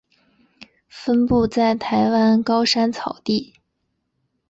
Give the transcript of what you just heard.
分布在台湾高山草地。